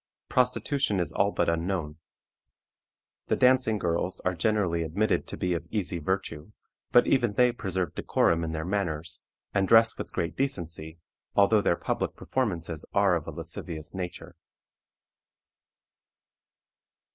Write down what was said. Prostitution is all but unknown. The dancing girls are generally admitted to be of easy virtue, but even they preserve decorum in their manners, and dress with great decency, although their public performances are of a lascivious nature.